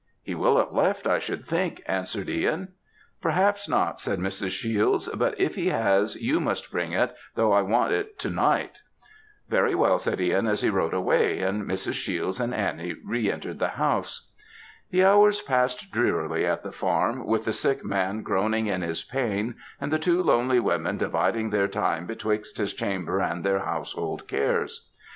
"He will have left, I should think," answered Ihan. "Perhaps not," said Mrs. Shiels, "but if he has you must bring it, though I want it to night." "Very well," said Ihan as he rode away, and Mrs. Shiels and Annie re entered the house. The hours passed drearily at the farm, with the sick man groaning in his pain, and the two lonely women dividing their time betwixt his chamber and their household cares.